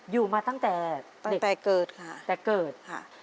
อยู่มาตั้งแต่เกิดค่ะ